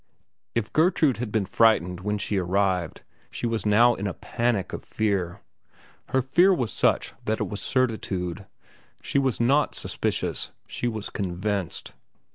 If Gertrude had been frightened when she arrived, she was now in a panic of fear. Her fear was such that it was certitude. She was not suspicious. She was convinced.